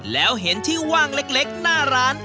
แล้วเห็นที่ว่างเล็กหน้าร้าน